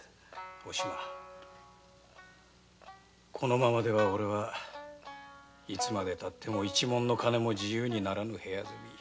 おしまこのままではおれはいつまでたっても一文の金も自由にならぬ部屋住み。